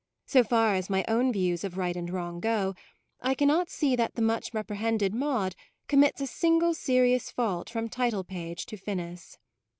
So far as my own views of right and wrong go, I cannot see that the much reprehended Maude commits a single serious fault from title page to finis.